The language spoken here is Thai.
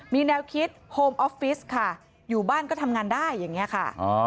มีแนวคิดโฮมออฟฟิศค่ะอยู่บ้านก็ทำงานได้อย่างนี้ค่ะ